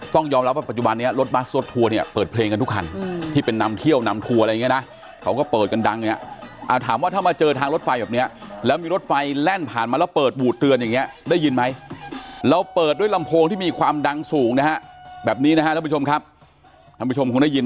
ยอมรับว่าปัจจุบันนี้รถบัสสวดทัวร์เนี่ยเปิดเพลงกันทุกคันที่เป็นนำเที่ยวนำทัวร์อะไรอย่างเงี้นะเขาก็เปิดกันดังเนี้ยอ่าถามว่าถ้ามาเจอทางรถไฟแบบเนี้ยแล้วมีรถไฟแล่นผ่านมาแล้วเปิดบูดเตือนอย่างเงี้ได้ยินไหมเราเปิดด้วยลำโพงที่มีความดังสูงนะฮะแบบนี้นะฮะท่านผู้ชมครับท่านผู้ชมคงได้ยิน